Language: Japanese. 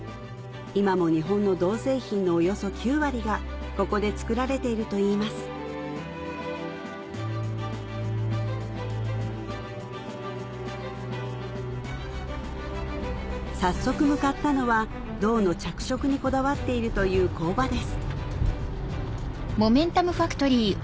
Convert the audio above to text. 今も日本の銅製品のおよそ９割がここでつくられているといいます早速向かったのは銅の着色にこだわっているという工場です